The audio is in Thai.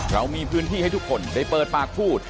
เรามีพื้นที่ให้ทุกคนได้เปิดปากพูด